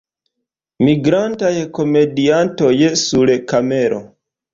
Migrantaj komediantoj sur kamelo.